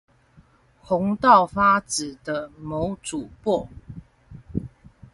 紅到發紫的某主播